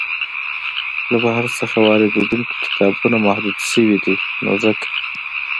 له بهر څخه واریدیدونکي کتابونه محدود شوي دی نو ځکه.